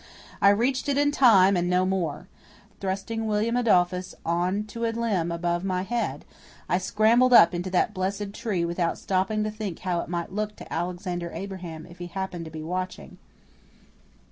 I reached it in time and no more. First thrusting William Adolphus on to a limb above my head, I scrambled up into that blessed tree without stopping to think how it might look to Alexander Abraham if he happened to be watching.